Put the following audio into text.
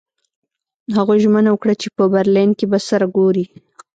هغوی ژمنه وکړه چې په برلین کې به سره ګوري